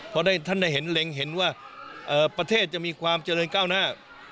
เพราะท่านได้เห็นเล็งเห็นว่าประเทศจะมีความเจริญก้าวหน้า